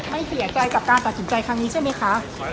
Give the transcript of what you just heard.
ไม่เสียใจกับการตัดสินใจครั้งนี้ใช่ไหมคะ